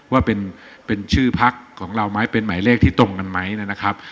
ว่าเป็นชื่อพักของเราไหมเป็นหมายเลขที่ตรงกันไหมนะครับ